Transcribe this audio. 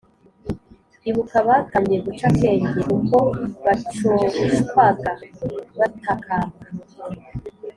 Ibuka abatangiye guca akenge Uko bacocwaga batakamba